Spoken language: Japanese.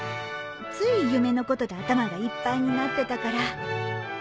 つい夢のことで頭がいっぱいになってたから